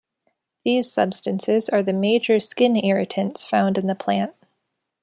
These substances are the major skin irritants found in the plant.